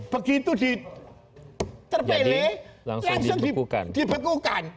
begitu terpele langsung dibekukan